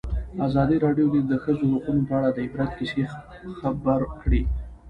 ازادي راډیو د د ښځو حقونه په اړه د عبرت کیسې خبر کړي.